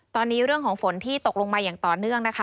ตอนนี้เรื่องของฝนที่ตกลงมาอย่างต่อเนื่องนะคะ